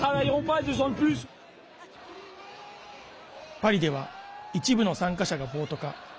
パリでは一部の参加者が暴徒化。